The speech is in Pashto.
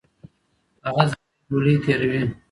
هغه زهري ګولۍ تیروي.